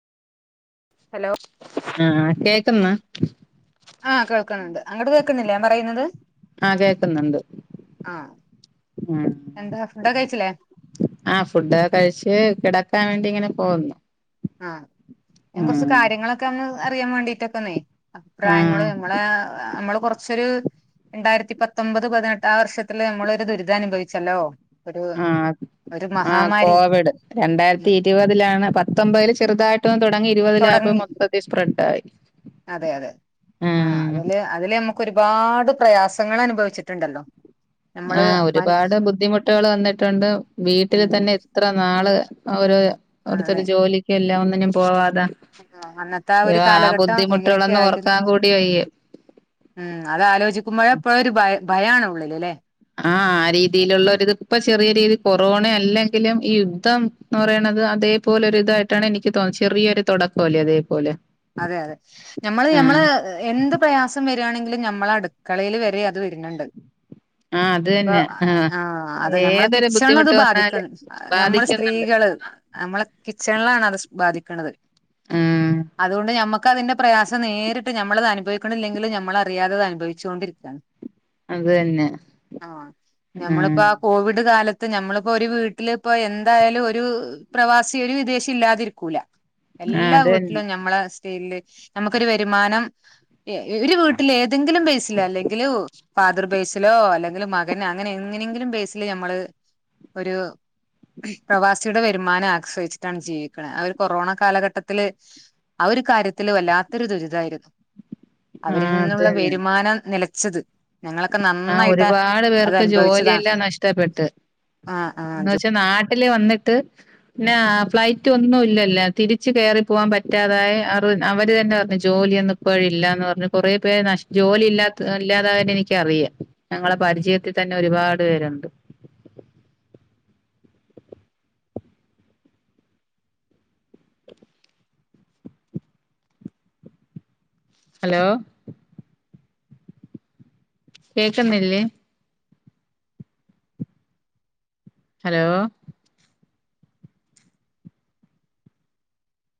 hello ആ കേക്കുന്നോ അങ്ങട്ട് കേക്കുന്നില്ലേ ഞാൻ പറയുന്നത് ആ കേൾക്കുന്നുണ്ട് ആഹ് എന്താ ഫുഡൊക്കെ കഴിച്ചില്ലേ ആ ഫുഡ് കഴിച്ച് കിട ക്കാൻ വേണ്ടി ഇങ്ങനെ പോവുന്നു ആ ഞാൻ കൊറച്ച് കാര്യങ്ങളൊക്കോന്ന് അറിയാൻ വേണ്ടീട്ടൊക്കെന്നേ അഭിപ്രായങ്ങള് ആഹ് നമ്മളെ നമ്മള് കൊറച്ചൊരു രണ്ടായിരത്തി പത്തൊമ്പത് പതിനെട്ട് ആ വർഷത്തില് നമ്മളൊരു ദുരിതം അനുഭവിച്ചല്ലോ ഒരു ആ ഒരു ആ മഹാമാരി കോവിഡ് രണ്ടായിരത്തി ഇരുപതിലാണ് പത്തൊമ്പേല് ചെറുതായിട്ടൊ തോടങ്ങി ഇരുപതിലായപ്പോ തുടങ്ങി മൊത്തത്തി സ്പ്രെഡായി അതെ അതെ ആഹ് ഉം അതില് അതില് നമുക്ക് ഒരുപാട് പ്രയാസങ്ങൾ അനുഭവിച്ചിട്ടുണ്ടല്ലോ നമ്മള് ആഹ മന ഒരുപാട് ബുദ്ധിമുട്ടുകൾ വന്നിട്ടുണ്ട് വീട്ടില് ഉം തന്നെ ഇത്ര നാള് അവര അതെ ഓരോത്തരു ജോലികെല്ലാം ഒ അനു പോവാ അന്നത്തെ ആ ഒരു കാലഘട്ടം എങ്ങനെയൊക്കെ ബുദ്ധിമുട്ടുകളൊന്നും ആയിരുന്നു ഓർക്കാൻ കൂടി വയ്യ ഉം അതലോചിക്കുമ്പോഴ എപ്പോഴ ഒരുഭയ ഭയാണ് ഉള്ളിലേ അല്ലേ ആ ആ രീതിയിലുള്ളപ്പ ചെറിയ രീതി കൊറോണ അല്ലെങ്കിലും ഈ യുദ്ധം എന്ന് പറയണുന്നത് അതേപോലെ ഒരുരിതായിട്ടാണ് എനിക്ക് തോന്ന ചെറിയൊരു തുടക്കമല്ലേ അതേപോലെ അതെ അതെ ഞമ്മള് ആഹ് ഞമ്മള് എന്ത് പ്രയാസം വ -യാണെങ്കിൽ നമ്മെ അടുക്കളയിൽ വരെ അത് വരുന്നുണ്ട് ആഹ് അത് ഇപ്പൊ തന്നെ ആഹ് ആഹ അത ഞമ്മളെ ഏതൊരു കിച്ചണില അത് ബുദ്ധിമുട്ട് വന്നാല് ബാധിക്കുന്നു ഞമ്മള് ബാധിക്കുന്നുണ്ട് സ്ത്രീകള് നമ്മളെ കിച്ചണിലാണ് അത് ബാധിക്കണത് മും അതുകൊണ്ട് നമ്മുക്ക് അതിന്റെ പ്രയാസം നേരിട്ട് നമ്മളത് അനുഭവിക്കണില്ലങ്കും നമ്മള അറിയാതത് അനുഭവിച്ചുകൊണ്ടിരിക്കയാണ് അത് തന്നെ ആ ആഹ് ഞമ്മളിപ്പോ ആ കോവിഡ് കാലത്ത് നമ്മളിപ്പോ ഒരു വീട്ടില ഇപ്പ എന്തായാലും ഒരു പ്രവാസി ഒരു വിദേശി ഇല്ലാതിരിക്കൂല ആഹ് എല്ലാം അത് കൂട്ട ല്ല തന്നെ ഞമ്മള ല്ലേ നമുക്കരു വരുമാനം ഒരു വീട്ട വീട്ടിൽ ഏതെങ്കിലും ബേസിലോ അല്ലെങ്കിൽ ഫാദർ ബേസിലോ അല്ലെ മകന് അങ്ങനെ എങ്ങനെങ്കിലും ബേസില് നമ്മള് ഒരു പ്രവാസിയുടെ വരുമാനം ആശ്രയിച്ചിട്ടാണ് ജീവിക്കുന്നത് അവര് കൊറോണ കാലഘട്ടത്തില് ആ ഒരു കാര്യത്തില് വല്ലാത്തൊരു ദുരിതായിരുന്നു അവരിൽ ആഹ് നിന്നുള്ള വരുമാനം നില പിച്ചത് ആ ഒരുപാട് പേർക്ക് അനുഭവിച്ചതാണ് ജോലിയെല്ലാം നഷ്ടപ്പെട്ട് ആ ആ എന്നുവെച്ചാ നാട്ട നട്ട വന്നിട്ട് പിന്ന ഫ്ലൈറ്റ് ഒന്നും ഇല്ലല്ല തിരിച്ച് കേയറി പോകാൻ പറ്റാതായി അവ അവര് തന്നെ പറഞ്ഞു ജോലിയൊന്നും ഇപ്പഴ് ഇല്ലാന്ന് പറഞ്ഞ് കൊറെ പേര് ജോലി ഇല്ലാത്ത ഇല്ലാത തന്നെ എനിക്കറിയാം ഞങ്ങളെ പരിചയത്തിൽ തന്നെ ഒരുപാട് പേരുണ്ട് ഹലോ കേക്കുന്നില്ലേ ഹലോ